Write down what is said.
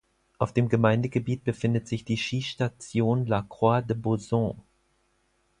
Auf dem Gemeindegebiet befindet sich die Skistation "La Croix-de-Bauzon".